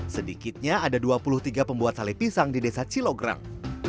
sedikitnya ada dua puluh tiga pembuat sale pisang di desa cilograng